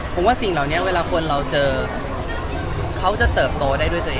ผมว่าสิ่งเหล่านี้เวลาคนเราเจอเขาจะเติบโตได้ด้วยตัวเอง